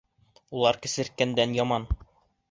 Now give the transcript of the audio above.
Улар кесерткәндән яман!